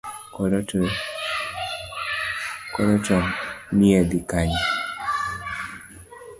Koro to neidhi Kanye?